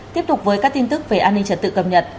tiếp tục với các tin tức về an ninh trật tế